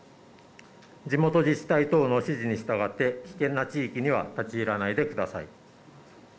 地元自治体等の指示に従って危険な地域には立ち入らないでください。